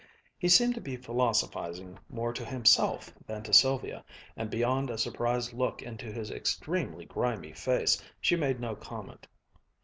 He seemed to be philosophizing more to himself than to Sylvia, and beyond a surprised look into his extremely grimy face, she made no comment.